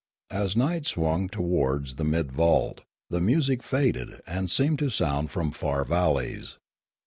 As night swung towards the mid vault, the music faded and seemed to sound from far valleys.